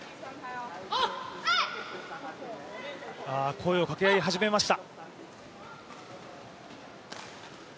声をかけ合い始めました。